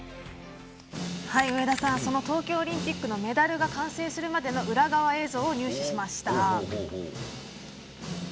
上田さんその東京オリンピックのメダルが完成するまでの裏側映像を入手しました。